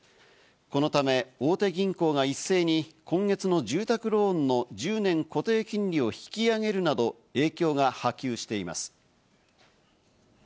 このため、大手銀行が一斉に今月の住宅ローンの１０年固定金利を引き上げるなど影響が波及しています。